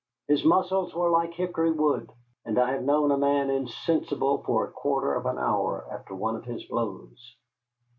His muscles were like hickory wood, and I have known a man insensible for a quarter of an hour after one of his blows.